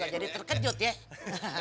jadi terkejut ya